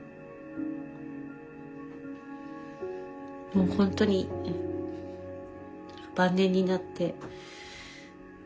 もう本当に晩年になって。